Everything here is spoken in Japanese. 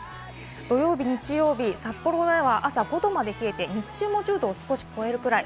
土曜日、日曜日、札幌では朝５度まで冷えて、日中も１０℃を少し超えるくらい。